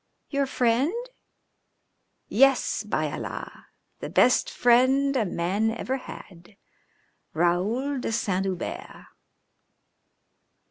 "Your friend?" "Yes, by Allah! The best friend a man ever had. Raoul de Saint Hubert."